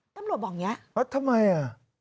ตำรวจบอกอย่างนี้อะโอ๊ยทำไมอะ